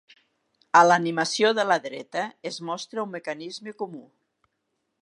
A l'animació de la dreta es mostra un mecanisme comú.